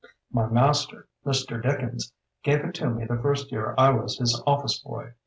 "My master, Mr. Dickens, gave it to me the first year I was his office boy.